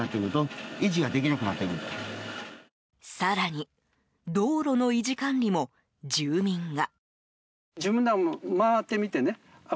更に道路の維持管理も住民が。